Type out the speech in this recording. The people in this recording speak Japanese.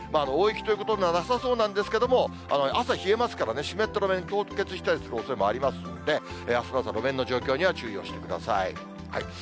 大雪ということにはなさそうなんですけれども、朝冷えますからね、湿った路面、凍結したりするおそれもありますんで、あすの路面の状況には注意をしてください。